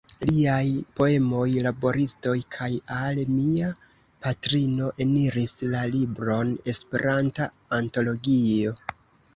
Liaj poemoj "Laboristoj" kaj "Al mia patrino" eniris la libron "Esperanta Antologio".